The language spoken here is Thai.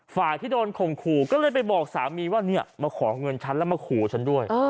ที่โดนข่มขู่ก็เลยไปบอกสามีว่าเนี่ยมาขอเงินฉันแล้วมาขู่ฉันด้วย